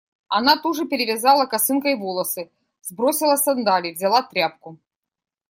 Она туже перевязала косынкой волосы. Сбросила сандалии. Взяла тряпку.